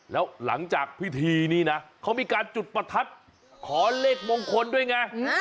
แล้วหลังจากพิธีนี้นะเขามีการจุดประทัดขอเลขมงคลด้วยไง